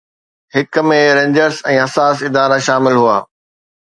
هڪ ۾ رينجرز ۽ حساس ادارا شامل هئا